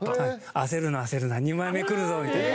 「焦るな焦るな２枚目くるぞ」みたいな。